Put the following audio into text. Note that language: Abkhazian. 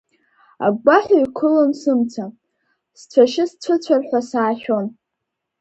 Агәгәаҳәа еиқәылон сымца, сцәашьы сцәыцәар ҳәа саашәон…